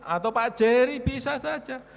atau pak jerry bisa saja